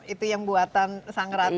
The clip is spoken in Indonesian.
itu yang buatan sang ratu